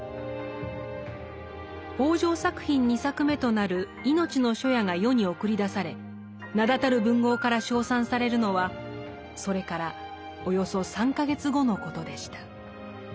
北條作品２作目となる「いのちの初夜」が世に送り出され名だたる文豪から称賛されるのはそれからおよそ３か月後のことでした。